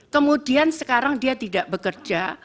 kemudian sekarang dia tidak bekerja